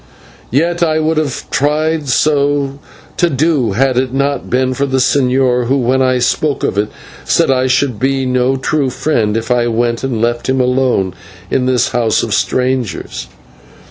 Yet I would have tried to do so had it not been for the señor, who, when I spoke of it, said I should be no true friend of his if I went and left him alone in this house of strangers.